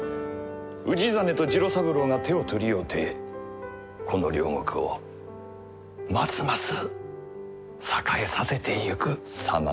氏真と次郎三郎が手を取り合うてこの領国をますます栄えさせてゆく様がなあ。